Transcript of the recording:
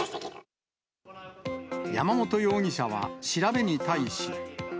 山本容疑者は調べに対し。